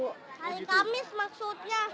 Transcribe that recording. hari kamis maksudnya